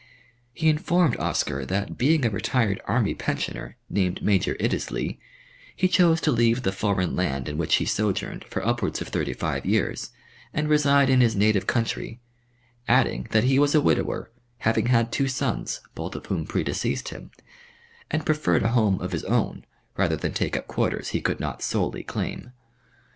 He informed Oscar that being a retired army pensioner, named Major Iddesleigh, he chose to leave the foreign land in which he sojourned for upwards of thirty five years and reside in his native county, adding that he was a widower, having had two sons, both of whom predeceased him, and preferred a home of his own rather than take up quarters he could not solely claim.